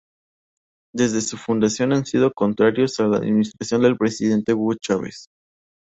Desde su fundación han sido contrarios a la administración del presidente Hugo Chávez.